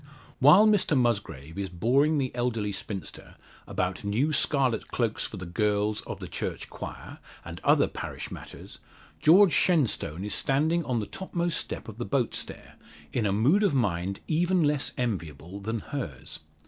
While Mr Musgrave is boring the elderly spinster about new scarlet cloaks for the girls of the church choir, and other parish matters, George Shenstone is standing on the topmost step of the boat stair, in a mood of mind even less enviable than hers.